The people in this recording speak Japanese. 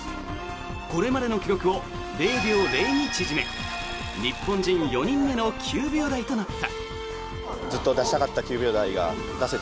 これまでの記録を０秒０２縮め日本人４人目の９秒台となった。